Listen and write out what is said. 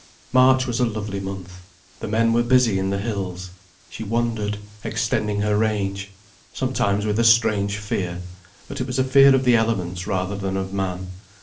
March was a lovely month. The men were busy in the hills. She wandered, extending her range. Sometimes with a strange fear. But it was a fear of the elements rather than of man.